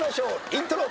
イントロ。